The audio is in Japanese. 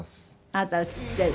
あなた映っている。